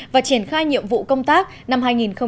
và triển khai nhiệm vụ công tác năm hai nghìn một mươi tám